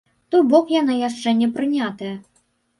То бок яна яшчэ не прынятая.